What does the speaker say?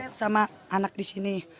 saya sama anak di sini